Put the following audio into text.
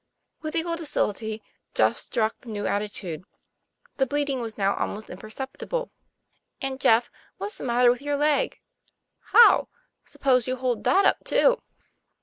With equal docility, Jeff struck the new attitude. The bleeding was now almost imperceptible. "And, Jeff, what's the matter with your leg?" "How?" "Suppose you hold that up too."